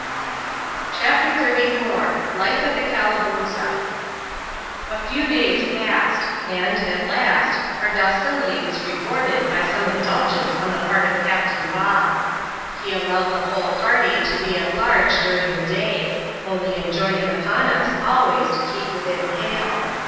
GBAP. xxxiy.] LIFE AT THE CALABOOZA. |8# CHAPTER XXXIV. Life at the Calabooza, A PEW days passed ; and, at last, our docility was rewarded by some indulgence on the part of Captain Bob. He allowed the whole party to be at large during the day ; only enjoining upon us always to keep within hail.